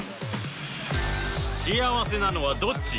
幸せなのはどっち？